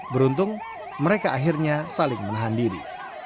beruntung mereka akhirnya saling menahan diri